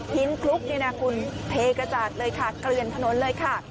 คลุกนี่นะคุณเทกระจาดเลยค่ะเกลือนถนนเลยค่ะ